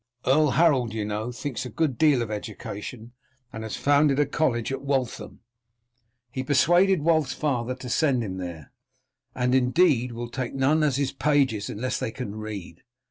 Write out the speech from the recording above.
Earl Harold, you know, thinks a good deal of education, and has founded a college at Waltham. He persuaded Wulf's father to send him there, and, indeed, will take none as his pages unless they can read.